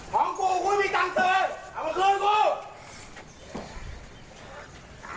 ขอบคุณพระเจ้า